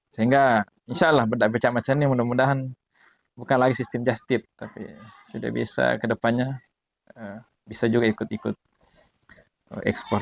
sehingga insya allah berdakwa macam macam ini mudah mudahan bukan lagi sistem just tip tapi sudah bisa ke depannya bisa juga ikut ikut ekspor